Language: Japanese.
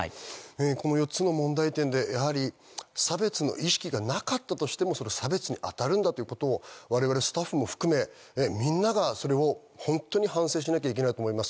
この４つの問題点でやはり差別の意識がなかったとしても、差別に当たるんだということを我々スタッフも含め、みんながそれを本当に反省しなきゃいけないと思います。